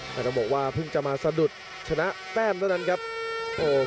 ก็บัดผ่านมานานับปกติ